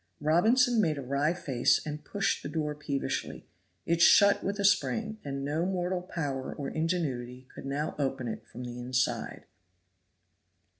Robinson made a wry face and pushed the door peevishly; it shut with a spring, and no mortal power or ingenuity could now open it from the inside.